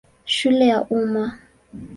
Shule ya Umma.